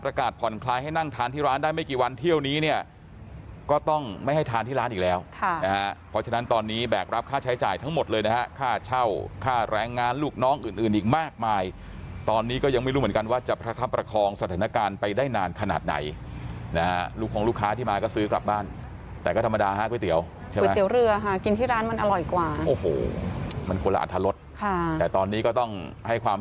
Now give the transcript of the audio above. ร้านได้ไม่กี่วันเที่ยวนี้เนี่ยก็ต้องไม่ให้ทานที่ร้านอีกแล้วค่ะนะฮะเพราะฉะนั้นตอนนี้แบกรับค่าใช้จ่ายทั้งหมดเลยนะฮะค่าเช่าค่าแรงงานลูกน้องอื่นอื่นอีกมากมายตอนนี้ก็ยังไม่รู้เหมือนกันว่าจะประทับประคองสถานการณ์ไปได้นานขนาดไหนนะฮะลูกของลูกค้าที่มาก็ซื้อกลับบ้านแต่ก็ธรรมดาฮะก๋